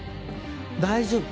大丈夫。